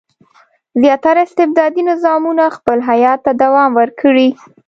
زیاتره استبدادي نظامونه خپل حیات ته دوام ورکړي.